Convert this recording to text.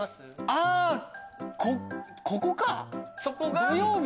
あぁ！ここか！